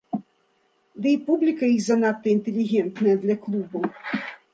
Ды і публіка іх занадта інтэлігентная для клубаў.